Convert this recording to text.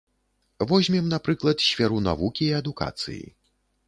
Возьмем, напрыклад, сферу навукі і адукацыі.